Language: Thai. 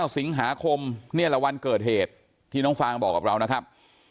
สิงหาคมเนี่ยละวันเกิดเหตุที่น้องฟางบอกกับเรานะครับ